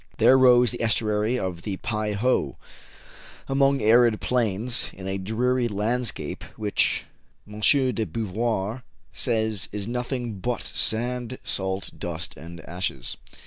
There rose the estuary of the Pei ho, among arid plains, in a dreary landscape, which, M. de Beauvoir says, is nothing but sand, salt, dust, and ashes.